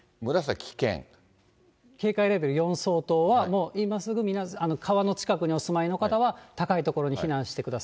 警戒レベル４相当は、もう今すぐ川の近くにお住まいの方は、高い所に避難してください。